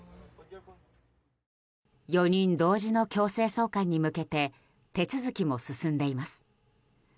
４人同時の強制送還に向けて手続きも進んでいます。